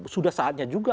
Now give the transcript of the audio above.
sudah saatnya juga